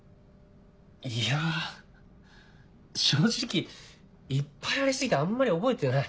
いや正直いっぱいあり過ぎてあんまり覚えてない。